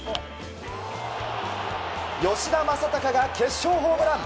吉田正尚が決勝ホームラン！